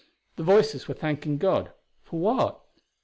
The voices were thanking God for what?